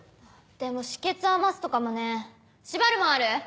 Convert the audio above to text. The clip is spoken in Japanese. でも止血はマストかもね縛るもんある？